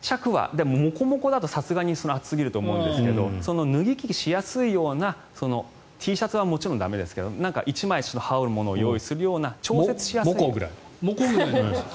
でもモコモコだと暑すぎると思うんですが脱ぎ着しやすいようなＴシャツはもちろん駄目ですけど１枚羽織るものを用意するような調節するような。